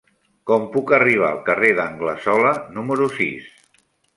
Com puc arribar al carrer d'Anglesola número sis?